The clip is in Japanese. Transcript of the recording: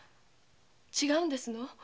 違うんですの？